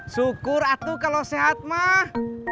syukur atu kalau sehat mah